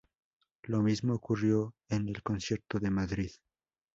Lo mismo ocurrió en el concierto de Madrid.